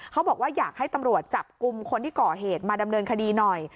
เขาบอกว่าอยากให้ตำรวจจับกลุ่มคนที่ก่อเหตุมาดำเนินคดีหน่อย